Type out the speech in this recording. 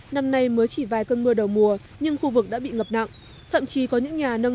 năm nay mới chỉ vài cơn mưa đầu mùa nhưng khu vực đã bị ngập nặng thậm chí có những nhà nâng